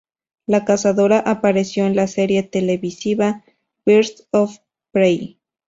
La cazadora apareció en la serie televisiva "Birds of Prey".